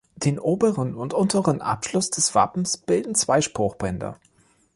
Den oberen und unteren Abschluss des Wappens bilden zwei Spruchbänder.